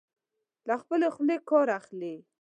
له خپلې خولې کار اخلي.